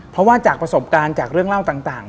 เพราะว่าจากประสบการณ์จากเรื่องเล่าต่าง